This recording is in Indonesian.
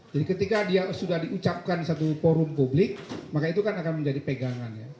jadi ketika dia sudah diucapkan di satu forum publik maka itu kan akan menjadi pegangan